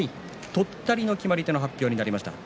とったりの決まり手の発表になりました。